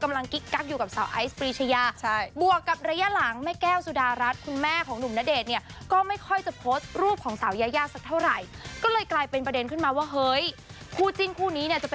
กำลังกิ๊กอยู่กับสาวไอซ์ปริชยา